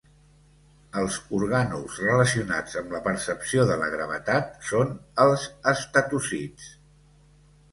Els orgànuls relacionats amb la percepció de la gravetat són els estatocists.